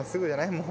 もう。